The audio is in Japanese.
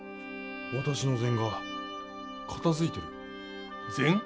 私の膳が片づいてる。